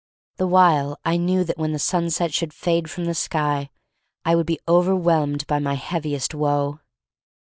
The while I knew that when the sunset should fade from the sky I would be overwhelmed by my heaviest woe.